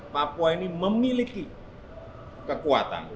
papua ini memiliki kekuatan